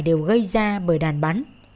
đều gây ra bởi đạn bắn